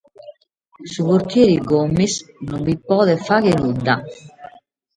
Su portieri Gomis non bi podet fàghere nudda.